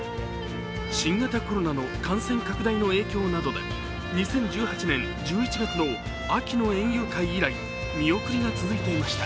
新型コロナの感染拡大の影響などで２０１８年１１月の秋の園遊会以来見送りが続いていました。